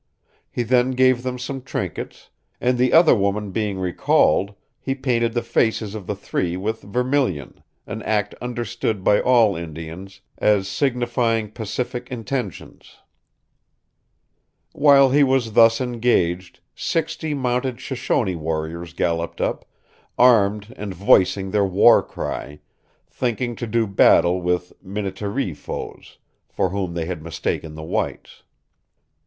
He then gave them some trinkets, and the other woman being recalled, he painted the faces of the three with vermilion, an act understood by all Indians as signifying pacific intentions. While he was thus engaged, sixty mounted Shoshone warriors galloped up, armed and voicing their war cry, thinking to do battle with Minnetaree foes, for whom they had mistaken the whites.